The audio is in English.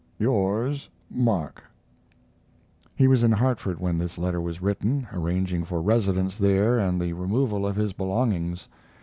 Yours, MARK. He was in Hartford when this letter was written, arranging for residence there and the removal of his belongings.